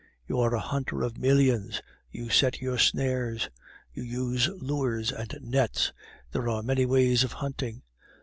You are a hunter of millions; you set your snares; you use lures and nets; there are many ways of hunting.